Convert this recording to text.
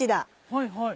はいはい。